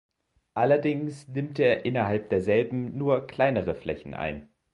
Allerdings nimmt er innerhalb derselben nur kleinere Flächen ein.